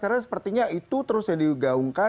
karena sepertinya itu terus yang digaungkan